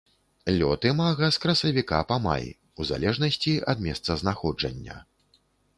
Лёт імага з красавіка па май у залежнасці ад месцазнаходжання.